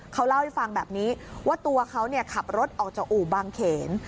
เขาเล่าให้ฟังแบบนี้ว่าตัวเขาขับรถออกจากอู่บางเขน